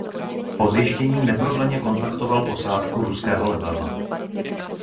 Po zjištění neprodleně kontaktoval posádku ruského letadla.